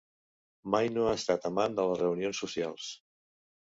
Mai no ha estat amant de les reunions socials.